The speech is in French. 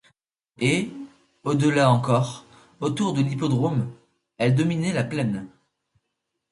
Et, au-delà encore, autour de l'Hippodrome, elle dominait la plaine.